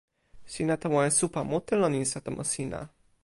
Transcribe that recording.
sina tawa e supa mute lon insa tomo sina.